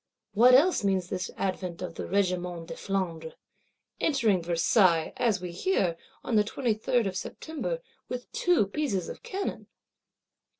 What else means this advent of the Regiment de Flandre; entering Versailles, as we hear, on the 23rd of September, with two pieces of cannon?